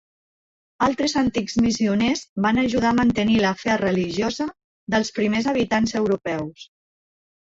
Altres antics missioners van ajudar a mantenir la fe religiosa dels primers habitants europeus.